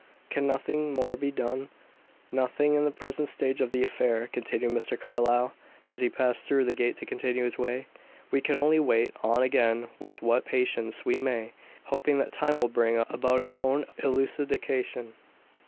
"Can nothing more be done?" "Nothing in the present stage of the affair," continued Mr. Carlyle, as he passed through the gate to continue his way. "We can only wait on again with what patience we may, hoping that time will bring about its own elucidation."